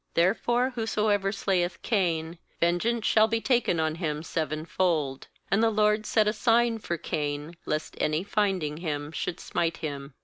19 'Therefore whosoever slayeth Cain, vengeance shall be taken on Mm sevenfold.' And the LORD set a sign for Cain, lest any finding him, should smite him.